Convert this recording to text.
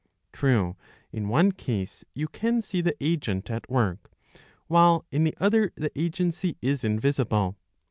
True, in one case you can see the agent at work, while in the other the agency is yivisilile.